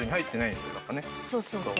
そうそうそう。